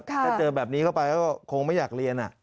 ถ้าเจอแบบนี้เข้าไปก็คงไม่อยากเรียน